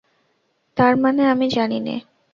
তার মানে আমি জানি নে।